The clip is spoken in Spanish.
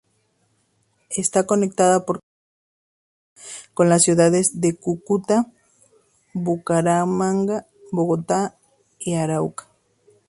Está conectada por carreteras nacionales con las ciudades de Cúcuta, Bucaramanga, Bogotá y Arauca.